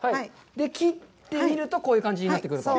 切ってみるとこういう感じになってくると。